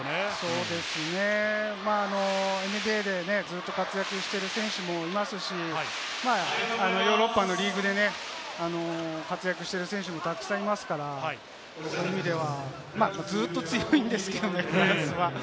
そうですね、ＮＢＡでずっと活躍している選手もいますし、ヨーロッパのリーグでね、活躍している選手もたくさんいますから、そういう意味ではずっと強いんですけれどもね、フランスは。